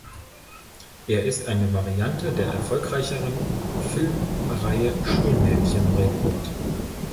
Er ist eine Variante der erfolgreicheren Filmreihe Schulmädchen-Report.